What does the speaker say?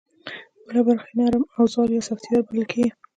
بله برخه یې نرم اوزار یا سافټویر بلل کېږي